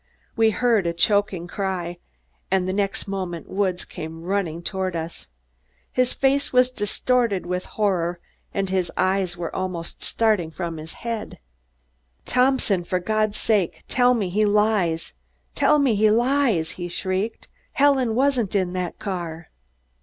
We heard a choking cry, and the next moment Woods came running toward us. His face was distorted with horror and his eyes were almost starting from his head. "Thompson, for God's sake, tell me he lies! Tell me he lies!" he shrieked. "Helen wasn't in that car?"